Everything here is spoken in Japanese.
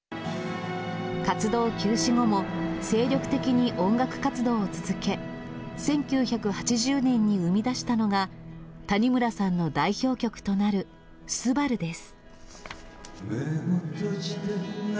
活動休止後も、精力的に音楽活動を続け、１９８０年に生み出したのが、谷村さんの代表曲となる昴です。